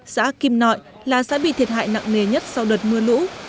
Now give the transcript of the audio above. xã kim nội là xã bị thiệt hại nặng nề nhất sau đợt mưa lũ